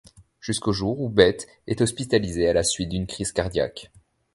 Jusqu'au jour où Bette est hospitalisée à la suite d'une crise cardiaque.